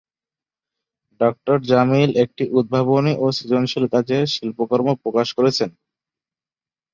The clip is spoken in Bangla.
ডঃ জামিল একটি উদ্ভাবনী ও সৃজনশীল কাজের শিল্পকর্ম প্রকাশ করেছেন।